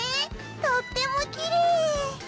とってもきれい！